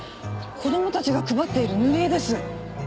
子供たちが配っている塗り絵です。